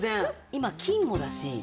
今金もだし